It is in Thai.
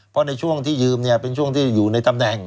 เพราะในช่วงที่ยืมเป็นช่วงที่อยู่ในตำแหน่ง